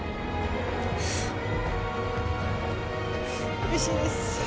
うれしいです。